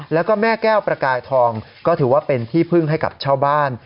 แล้วก็แม่แก้วประกายทองก็ถือว่าเป็นที่พึ่งให้กับชาวบ้าน